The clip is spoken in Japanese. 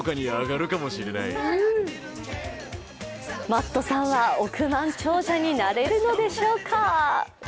マットさんは億万長者になれるのでしょうか？